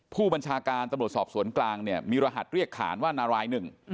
ผู้บัญชาการตำรวจสอบสวนกลางเนี่ยมีรหัสเรียกขานว่านารายหนึ่ง